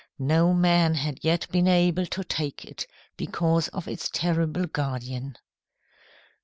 No man had yet been able to take it, because of its terrible guardian.